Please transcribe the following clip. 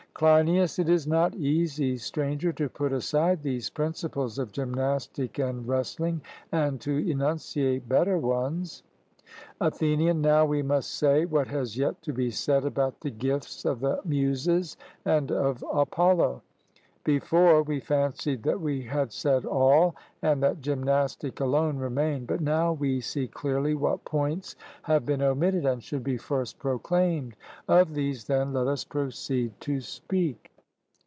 CLEINIAS: It is not easy, Stranger, to put aside these principles of gymnastic and wrestling and to enunciate better ones. ATHENIAN: Now we must say what has yet to be said about the gifts of the Muses and of Apollo: before, we fancied that we had said all, and that gymnastic alone remained; but now we see clearly what points have been omitted, and should be first proclaimed; of these, then, let us proceed to speak.